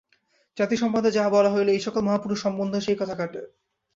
জাতি সম্বন্ধে যাহা বলা হইল, এই সকল মহাপুরুষ সম্বন্ধেও সেই কথা খাটে।